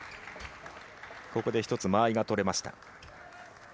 ここで一つ、間合いが取れました。